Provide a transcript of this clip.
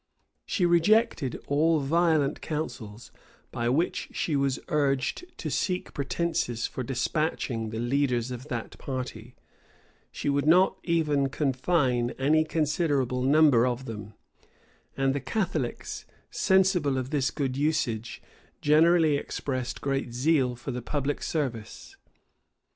She rejected all violent counsels, by which she was urged to seek pretences for despatching the leaders of that party: she would not even confine any considerable number of them: and the Catholics, sensible of this good usage, generally expressed great zeal for the public service.